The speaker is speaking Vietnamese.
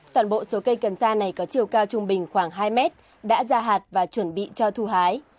toàn bộ số cây cần sa này có chiều cao trung bình khoảng hai mét đã ra hạt và chuẩn bị cho thu hái